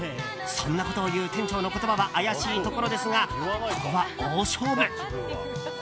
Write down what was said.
そんなことを言う店長の言葉は怪しいところですがここは、大勝負。